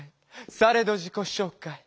されど自己紹介。